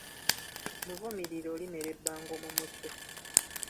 Muvumirire olimera ebbango mu mutwe